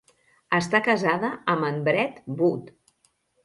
Està casada amb en Brett Booth.